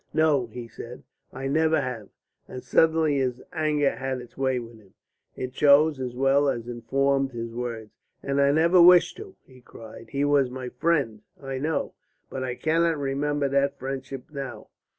"No," he said, "I never have," and suddenly his anger had its way with him; it chose as well as informed his words. "And I never wish to," he cried. "He was my friend, I know. But I cannot remember that friendship now.